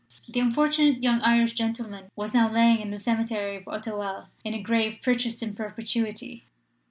The unfortunate young Irish gentleman was now lying in the cemetery of Auteuil in a grave purchased in perpetuity.